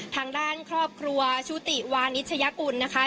ทางด้านครอบครัวชุติวานิชยกุลนะคะ